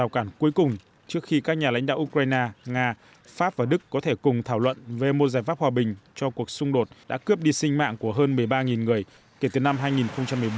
cản cuối cùng trước khi các nhà lãnh đạo ukraine nga pháp và đức có thể cùng thảo luận về một giải pháp hòa bình cho cuộc xung đột đã cướp đi sinh mạng của hơn một mươi ba người kể từ năm hai nghìn một mươi bốn